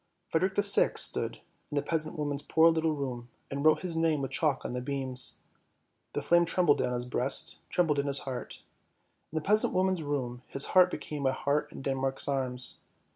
Frederick the Sixth stood in the peasant woman's poor little room and wrote his name with chalk on the beams. The flame trembled on his breast, trembled in his heart; in the peasant's room his heart became a heart in Denmark's Arms.